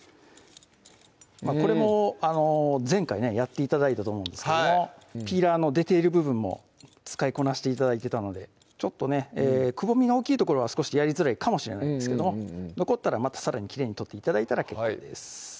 これも前回ねやって頂いたと思うんですけどピーラーの出ている部分も使いこなして頂いてたのでちょっとねくぼみの大きい所は少しやりづらいかもしれないですけども残ったらまたさらにきれいに取って頂いたら結構です